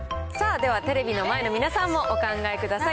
では、テレビの前の皆さんもお考えください。